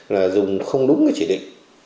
là dùng không đúng cái chỉ định